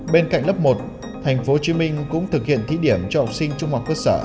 bên cạnh lớp một tp hcm cũng thực hiện thí điểm cho học sinh trung học cơ sở